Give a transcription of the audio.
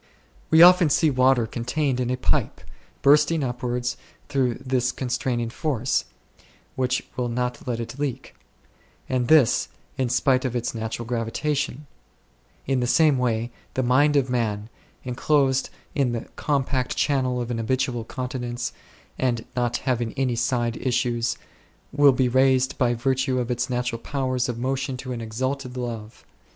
We often see water contained in a pipe bursting upwards through this con straining force, which will not let it leak ; and this, in spite of its natural gravitation : in the same way, the mind of man, enclosed in the compact channel of an habitual continence, and not having any side issues, will be raised by virtue of its natural powers of motion to an exalted love.